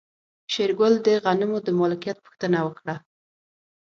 شېرګل د غنمو د مالکيت پوښتنه وکړه.